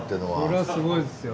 ・それはすごいですよ。